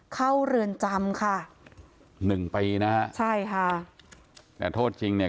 เรือนจำค่ะหนึ่งปีนะฮะใช่ค่ะแต่โทษจริงเนี่ย